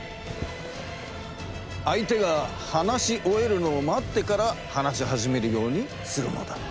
相手が話し終えるのを待ってから話し始めるようにするのだ。